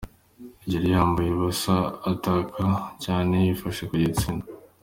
Yari yambaye ubusa ataka cyane yifashe ku gitsina.